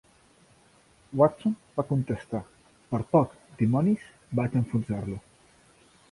Watson va contestar, "Per poc, dimonis, vaig a enfonsar-lo.